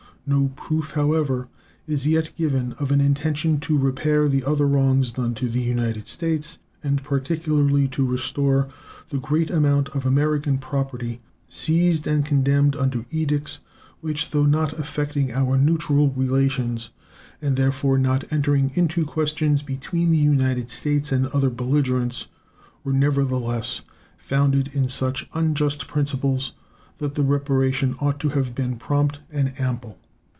No proof, however, is yet given of an intention to repair the other wrongs done to the United States, and particularly to restore the great amount of American property seized and condemned under edicts which, though not affecting our neutral relations, and therefore not entering into questions between the United States and other belligerents, were nevertheless founded in such unjust principles that the reparation ought to have been prompt and ample.